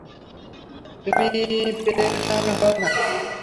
তুমি পেরেশান হয়ো না!